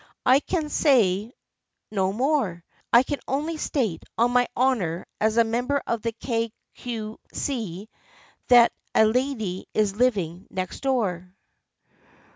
" I can say no more. I can only state, on my honor as a member of the Kay Cue See, that a lady is living next door."